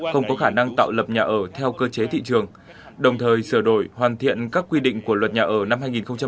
không có khả năng tạo lập nhà ở theo cơ chế thị trường đồng thời sửa đổi hoàn thiện các quy định của luật nhà ở năm hai nghìn một mươi bốn